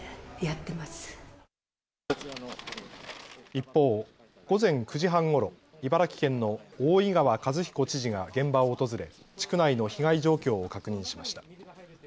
一方、午前９時半ごろ茨城県の大井川和彦知事が現場を訪れ、地区内の被害状況を確認しました。